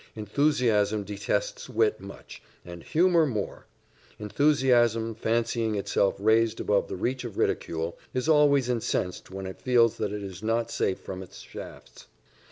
Enthusiasm detests wit much, and humour more. Enthusiasm, fancying itself raised above the reach of ridicule, is always incensed when it feels that it is not safe from its shafts.